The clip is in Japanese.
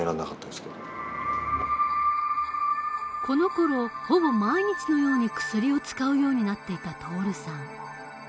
このころほぼ毎日のように薬を使うようになっていた徹さん。